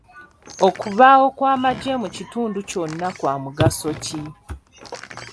Okubaawo kw'amagye mu kitundu kyonna kya mugaso ki?